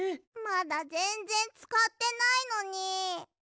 まだぜんぜんつかってないのに。